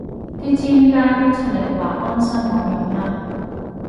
啲專家都出嚟話安心冇用啦